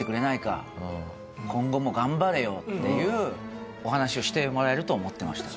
「今後も頑張れよ」っていうお話をしてもらえると思ってました